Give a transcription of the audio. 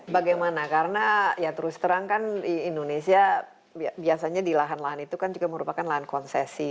bagaimana karena ya terus terang kan indonesia biasanya di lahan lahan itu kan juga merupakan lahan konsesi